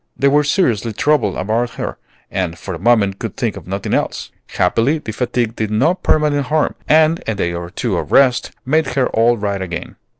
They were seriously troubled about her, and for the moment could think of nothing else. Happily the fatigue did no permanent harm, and a day or two of rest made her all right again.